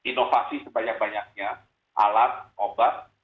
inovasi sebanyak banyaknya alat obat